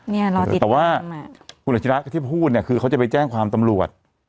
น่าณรอติดตามอ่ะแต่ว่าอุ่นละชิระที่พูดเนี้ยคือเขาจะไปแจ้งความตำรวจ